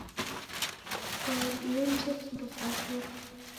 Choo dije vindo vaw'urwa